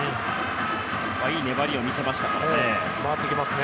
いい粘りを見せましたね。